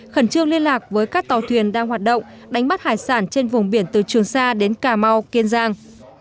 khẩn trương liên lạc với các tàu thuyền đang hoạt động đánh bắt hải sản trên vùng biển từ trường sa đến cà mau kiên giang